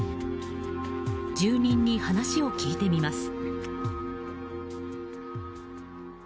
住人に話を聞いてみます。